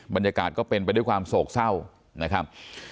บรรยากาศก็เป็นไปด้วยความโศกเศร้านะครับ